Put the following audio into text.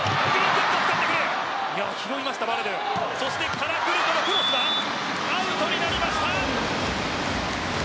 カラクルトのクロスがアウトになりました。